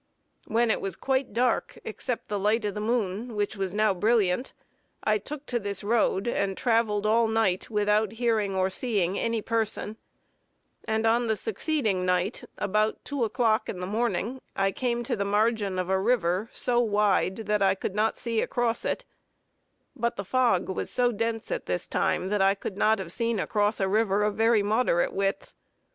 When it was quite dark, except the light of the moon, which was now brilliant, I took to this road, and traveled all night without hearing or seeing any person, and on the succeeding night, about two o'clock in the morning, I came to the margin of a river, so wide that I could not see across it; but the fog was so dense at this time that I could not have seen across a river of very moderate width.